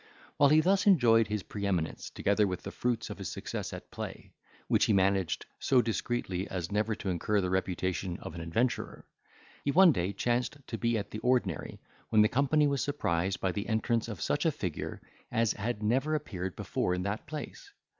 While he thus enjoyed his pre eminence, together with the fruits of his success at play, which he managed so discreetly as never to incur the reputation of an adventurer, he one day chanced to be at the ordinary, when the company was surprised by the entrance of such a figure as had never appeared before in that place.